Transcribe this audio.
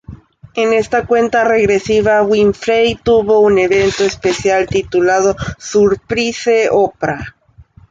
En esta cuenta regresiva Winfrey tuvo un evento especial titulado “Surprise Oprah!